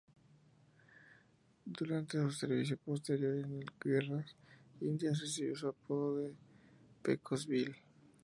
Durante su servicio posterior en el Guerras Indias, recibió su apodo de "Pecos Bill".